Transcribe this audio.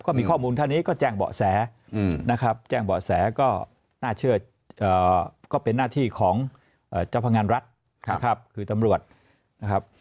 ก็มีข้อมูลเท่านี้ก็แจ้งเบาะแสนะครับแจ้งเบาะแสก็น่าเชื่อก็เป็นหน้าที่ของเจ้าพนักงานรัฐนะครับคือตำรวจนะครับ